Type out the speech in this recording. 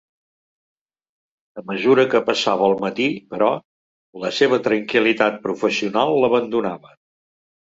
A mesura que passava el matí, però, la seva tranquil·litat professional l'abandonava.